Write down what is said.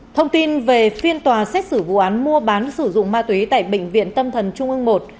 thông tin về phiên tòa xét xử vụ án mua bán sử dụng ma túy tại bệnh viện tâm thần trung ương một